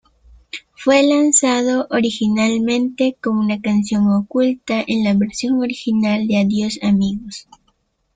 Fue lanzado originalmente como una canción oculta en la versión original de "¡Adiós Amigos!